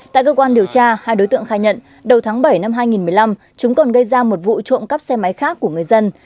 tại cơ quan điều tra hai đối tượng khai nhận đầu tháng bảy năm hai nghìn một mươi năm chúng còn gây ra một vụ trộm cắp xe máy khác của người dân